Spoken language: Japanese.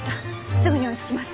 すぐに追いつきます。